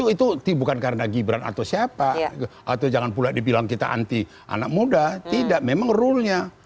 itu bukan karena gibran atau siapa atau jangan pula dibilang kita anti anak muda tidak memang rule nya